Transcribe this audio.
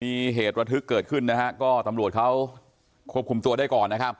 มีเหตุรัฐศึกเกิดครับก็ตำรวจเขาควบคุมตัวได้ก่อนนะครับ